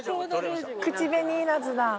口紅いらずだ。